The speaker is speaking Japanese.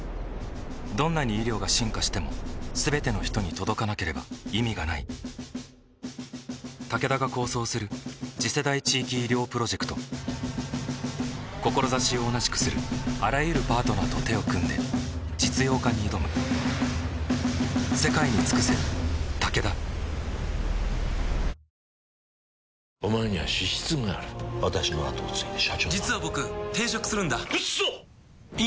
どんなに医療が進化しても全ての人に届かなければ意味がないタケダが構想する次世代地域医療プロジェクト志を同じくするあらゆるパートナーと手を組んで実用化に挑むＣＭ中静かにしてましたけどね。